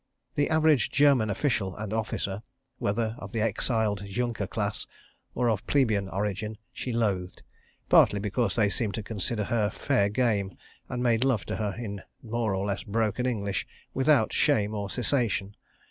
The average German official and officer, whether of the exiled Junker class, or of plebeian origin, she loathed—partly because they seemed to consider her "fair game," and made love to her, in more or less broken English, without shame or cessation.